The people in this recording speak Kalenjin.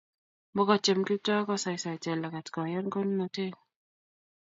mokotiem Kiptoo kosaisai Jelagat koyan konunoteng'